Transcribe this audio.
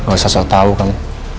nggak usah selalu tahu kamu